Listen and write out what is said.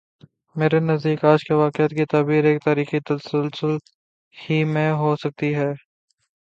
میرے نزدیک آج کے واقعات کی تعبیر ایک تاریخی تسلسل ہی میں ہو سکتی ہے۔